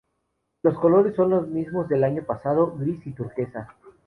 Los colores son los mismos del año pasado, gris y turquesa.